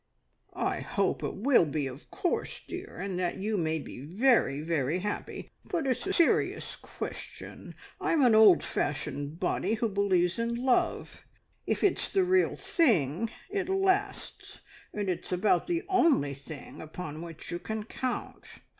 "I hope it will be `of course,' dear, and that you may be very, very happy; but it's a serious question. I'm an old fashioned body, who believes in love. If it's the real thing it lasts, and it's about the only thing upon which you can count.